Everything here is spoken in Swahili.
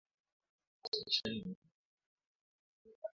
palilia viazi vitamu katika miezi miwili ya kwanza